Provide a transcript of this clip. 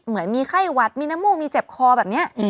เหมือนมีไข้หวัดมีน้ำมูกมีเจ็บคอแบบนี้